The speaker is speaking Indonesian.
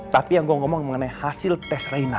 tapi yang gue ngomong mengenai hasil tes raina